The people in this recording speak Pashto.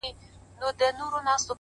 زړه لکه هينداره ښيښې گلي;